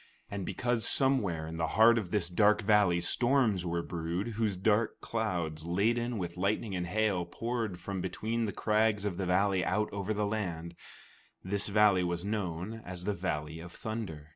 And because somewhere in the heart of this dark valley storms were brewed, whose dark clouds, laden with lightning and hail, poured from between the crags of the valley out over the land, this valley was known as the Valley of Thunder.